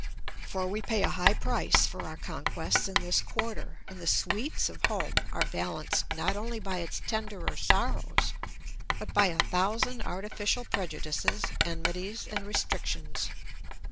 For we pay a high price for our conquests in this quarter, and the sweets of home are balanced not only by its tenderer sorrows, but by a thousand artificial prejudices, enmities, and restrictions.